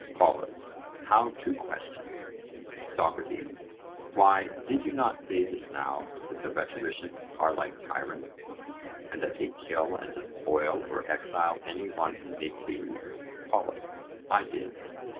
POLUS: How two questions? SOCRATES: Why, did you not say just now that the rhetoricians are like tyrants, and that they kill and despoil or exile any one whom they please? POLUS: I did.